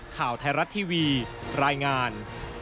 ข่าวไทยรัฐทีวีรายงาน